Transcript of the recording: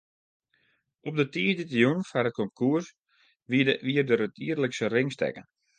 Op de tiisdeitejûn foar it konkoers wie der it jierlikse ringstekken.